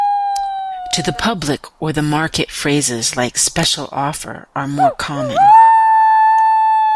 To the public or the market, phrases like "special offer" are more common.